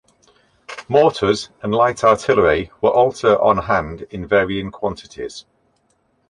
Mortars and light artillery were also on hand in varying quantities.